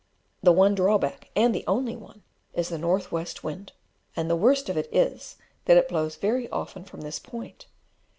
The one drawback, and the only one, is the north west wind; and the worst of it is, that it blows very often from this point.